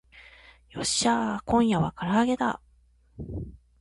よっしゃー今夜は唐揚げだ